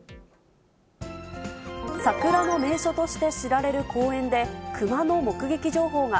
桜の名所として知られる公園で、クマの目撃情報が。